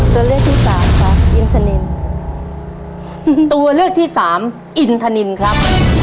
ตัวเลือกที่สามค่ะอินทานินตัวเลือกที่สามอินทนินครับ